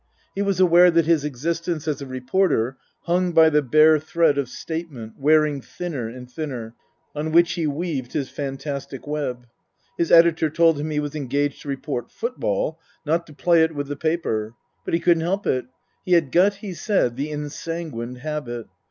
He was aware that his existence as a reporter hung by the bare thread of statement (wearing thinner and thinner) on which he weaved his fantastic web. His editor told him he was engaged to report football, not to play it with the paper. But he couldn't help it. He had got, he said, the ensanguined habit.